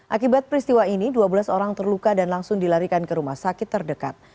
akibat peristiwa ini dua belas orang terluka dan langsung dilarikan ke rumah sakit terdekat